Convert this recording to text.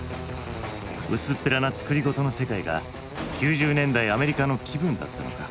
薄っぺらな作り事の世界が９０年代アメリカの気分だったのか。